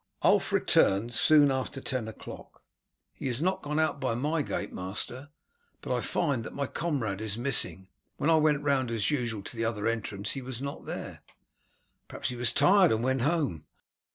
Ulf returned soon after ten o'clock. "He has not gone out by my gate, master, but I find that my comrade is missing. When I went round as usual to the other entrance he was not there." "Perhaps he was tired and went home."